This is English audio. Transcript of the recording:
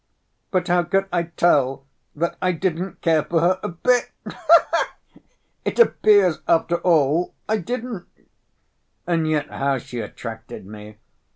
"But how could I tell that I didn't care for her a bit! Ha ha! It appears after all I didn't. And yet how she attracted me!